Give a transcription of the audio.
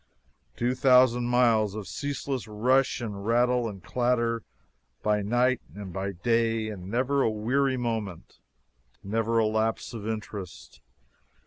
Two thousand miles of ceaseless rush and rattle and clatter, by night and by day, and never a weary moment, never a lapse of interest!